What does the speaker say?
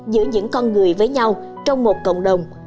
giữa những con người với nhau trong một cộng đồng